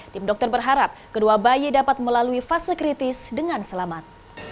tim dokter berharap kedua bayi dapat melalui fase kritis dengan selamat